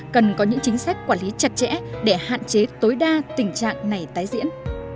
cần có những chính sách quản lý chặt chẽ để hạn chế tối đa tình trạng này tái diễn